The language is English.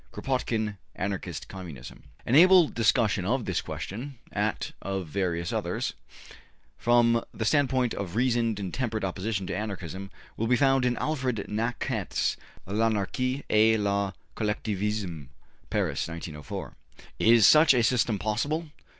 Kropotkin, ``Anarchist Communism.'' An able discussion of this question, at of various others, from the standpoint of reasoned and temperate opposition to Anarchism, will be found in Alfred Naquet's ``L'Anarchie et le Collectivisme,'' Paris, 1904. Is such a system possible?